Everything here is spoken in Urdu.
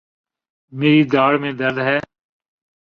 میری داڑھ میں درد ہے